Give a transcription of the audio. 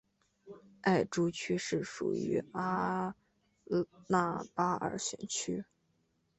艾珠区是属于阿纳巴尔选区。